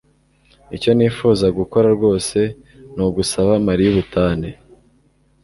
Icyo nifuza gukora rwose ni ugusaba Mariya ubutane